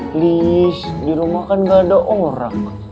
please di rumah kan nggak ada orang